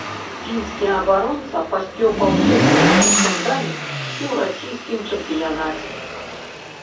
Фінскі абаронца паспеў паўдзельнічаць у скандале і ў расійскім чэмпіянаце.